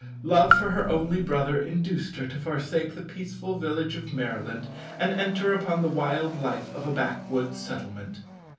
Love for her only brother induced her to forsake the peaceful village of Maryland and enter upon the wild life of a backwoods settlement.